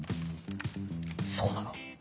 そうなの？